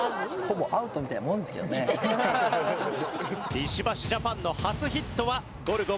石橋ジャパンの初ヒットはゴルゴ松本。